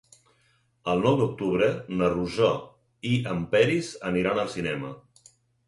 El nou d'octubre na Rosó i en Peris aniran al cinema.